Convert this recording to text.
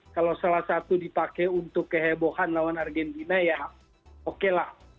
kalau salah satu dipakai untuk kehebohan lawan argentina ya oke lah